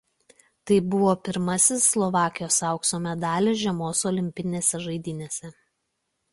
Tai buvo pirmasis Slovakijos aukso medalis žiemos olimpinėse žaidynėse.